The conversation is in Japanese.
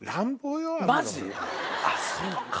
マジ⁉あっそうか。